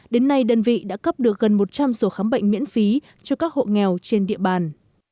đến nay đơn vị đã cấp được gần một trăm linh số khám bệnh miễn phí cho các hộ nghèo trên địa bàn